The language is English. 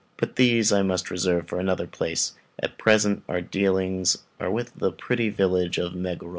But these I must reserve for another place. At present our dealings are with the pretty village of Meguro.